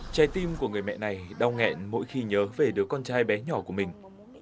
trái tim của người mẹ này đau nghẹn mỗi khi nhớ về đứa con trai bé nhỏ của mình